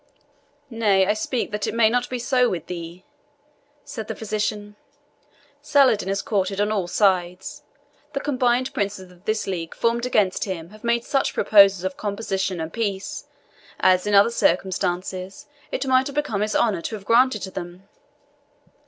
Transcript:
"Nay, I speak that it may not be so with thee," said the physician. "Saladin is courted on all sides. The combined princes of this league formed against him have made such proposals of composition and peace, as, in other circumstances, it might have become his honour to have granted to them.